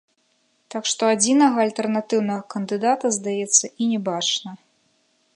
Так што адзінага альтэрнатыўнага кандыдата, здаецца, і не бачна.